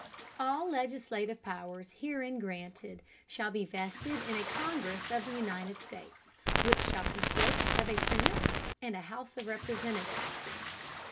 All legislative Powers herein granted shall be vested in a Congress of the United States, which shall consist of a Senate and House of Representatives.